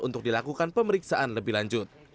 untuk dilakukan pemeriksaan lebih lanjut